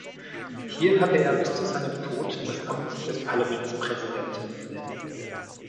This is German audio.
Hier hatte er bis zu seinem Tod das Amt des Parlamentspräsidenten inne.